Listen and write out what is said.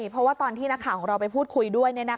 เพราะว่าตอนที่นักข่าวของเราไปพูดคุยด้วย